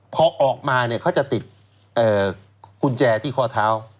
พอออกมาเนี่ยเขาจะติดกุญแจที่ข้อเท้า